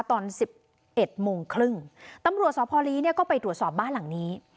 ตอนสิบเอ็ดโมงครึ่งตำรวจสพลีเนี่ยก็ไปตรวจสอบบ้านหลังนี้